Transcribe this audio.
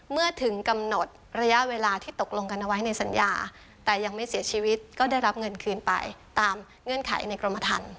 เมื่อถึงกำหนดระยะเวลาที่ตกลงกันเอาไว้ในสัญญาแต่ยังไม่เสียชีวิตก็ได้รับเงินคืนไปตามเงื่อนไขในกรมทัน